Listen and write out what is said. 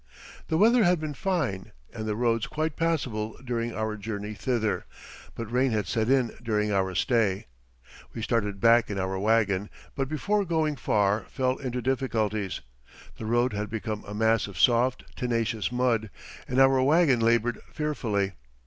The weather had been fine and the roads quite passable during our journey thither, but rain had set in during our stay. We started back in our wagon, but before going far fell into difficulties. The road had become a mass of soft, tenacious mud and our wagon labored fearfully.